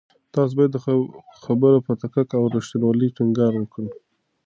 تاسو باید د خبر په دقت او رښتینولۍ ټینګار وکړئ.